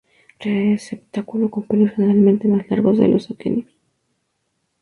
Receptáculo con pelos generalmente más largos que los aquenios.